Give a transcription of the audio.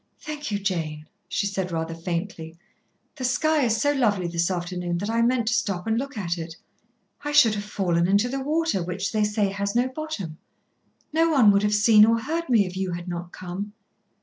"Thank you, Jane," she said rather faintly. "The sky is so lovely this afternoon that I meant to stop and look at it. I should have fallen into the water, which they say has no bottom. No one would have seen or heard me if you had not come."